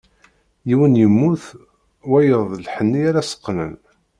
Yiwen yemmut, wayeḍ d lḥenni ara s-qqnen.